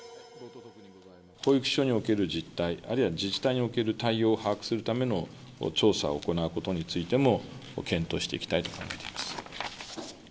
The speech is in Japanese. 保育所における実態、あるいは自治体における対応を把握するための調査を行うことについても検討していきたいと考えています。